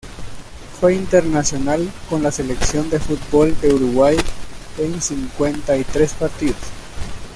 Fue internacional con la selección de fútbol de Uruguay en cincuenta y tres partidos.